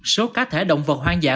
số cá thể động vật hoang dã